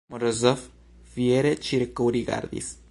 Morozov fiere ĉirkaŭrigardis.